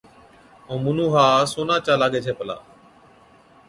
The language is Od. ائُون مُنُون ها سونا چا لاگَي ڇي پلا۔